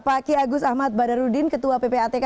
pak kiyagus ahmad badarudin ketua ppatk